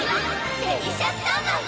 デリシャスタンバイ！